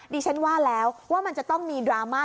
ดิฉันว่าแล้วว่ามันจะต้องมีดราม่า